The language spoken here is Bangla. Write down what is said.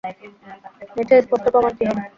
এর চেয়ে স্পষ্ট প্রমাণ কী হবে?